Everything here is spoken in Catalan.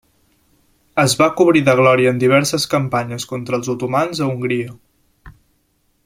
Es va cobrir de glòria en diverses campanyes contra els otomans a Hongria.